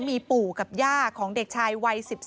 มีปู่กับย่าของเด็กชายวัย๑๔